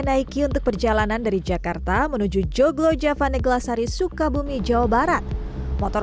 baliki untuk perjalanan dari jakarta menuju joglo javaneglasari sukabumi jawa barat motor